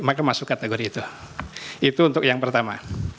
maka masuk kategori itu itu untuk yang pertama